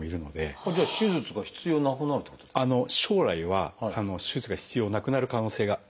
将来は手術が必要なくなる可能性があるかもしれないです。